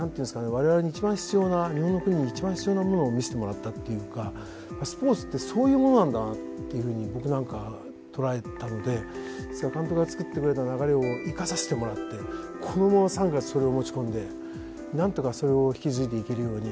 我々に一番必要な日本の国に一番必要なものを見せてもらったっていうかスポーツってそういうものなんだなっていう風に僕なんかは捉えたので監督が作ってくれた流れを生かさせてもらってこのまま３月それを持ち込んでなんとかそれを引き継いでいけるように。